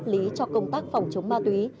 luật phòng chống ma túy năm hai nghìn